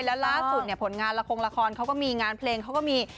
และล่าสุดผลงานละครเขาก็มีงานเพลงเขาก็มี